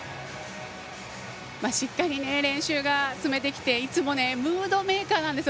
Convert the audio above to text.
しっかり練習ができていつもムードメーカーなんですよ。